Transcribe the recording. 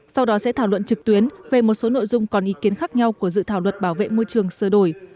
sau đó sẽ thảo luận trực tuyến về một số nội dung còn ý kiến khác nhau của dự thảo luật bảo vệ môi trường sơ đổi